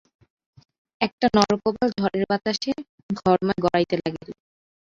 একটা নরকপাল ঝড়ের বাতাসে ঘরময় গড়াইতে লাগিল।